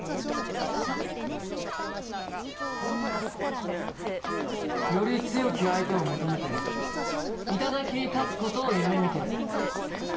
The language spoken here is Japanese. さだめ？より強き相手を求めて頂に立つことを夢見てる。